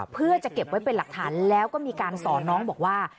เพื่อจะเก็บไว้เป็นหลักฐานแล้วก็มีการสอนน้องบอกว่า